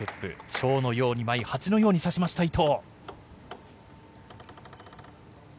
チョウのように舞いハチのように刺しました、伊藤。